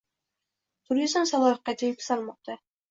Turizm salohiyati yuksalmoqda